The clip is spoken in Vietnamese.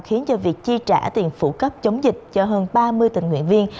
khiến cho việc chi trả tiền phụ cấp chống dịch cho hơn ba mươi tình nguyện viên